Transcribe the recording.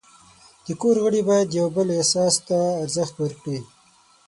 د کور غړي باید د یو بل احساس ته ارزښت ورکړي.